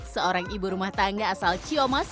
seorang ibu rumah tangga asal ciomas